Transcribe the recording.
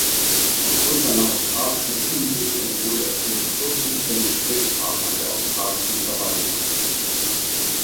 Aufgrund seiner australischen Schulbildung wurde er zum bevorzugten Gesprächspartner der australischen Verwalter.